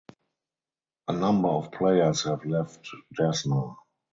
A number of players have left Desna.